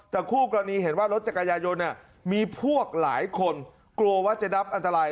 แต่คู่กรณีเห็นว่ารถจักรยายนมีพวกหลายคนกลัวว่าจะรับอันตราย